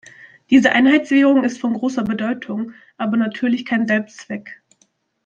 Diese Einheitswährung ist von großer Bedeutung, aber natürlich kein Selbstzweck.